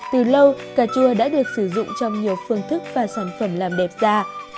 từ lâu cà chua đã được sử dụng trong nhiều phương thức và sản phẩm làm đẹp da